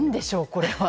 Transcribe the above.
これは。